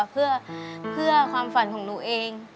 เพื่อความฝันของหนูเอง